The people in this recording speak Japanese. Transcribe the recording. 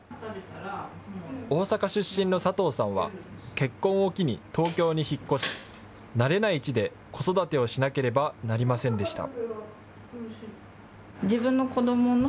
大阪出身の佐藤さんは結婚を機に東京に引っ越し、慣れない地で子育てをしなければなりませんでした。